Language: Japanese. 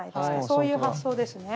そういう発想ですね。